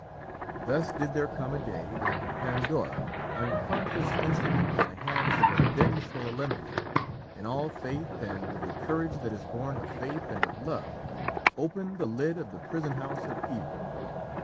Thus did there come a day when Pandora, unconscious instrument in the hands of a vengeful Olympian, in all faith, and with the courage that is born of faith and of love, opened the lid of the prison house of evil.